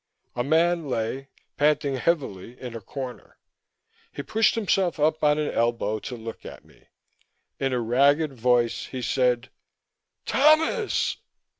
A man lay, panting heavily, in a corner. He pushed himself up on an elbow to look at me. In a ragged voice he said: "Thomas!"